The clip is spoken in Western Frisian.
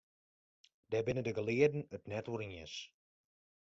Dêr binne de gelearden it net oer iens.